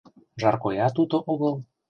— Жаркоят уто огыл.